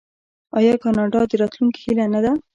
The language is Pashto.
آیا کاناډا د راتلونکي هیله نه ده؟